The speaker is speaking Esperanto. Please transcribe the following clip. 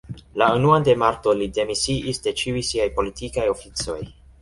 La unuan de marto li demisiis de ĉiuj siaj politikaj oficoj.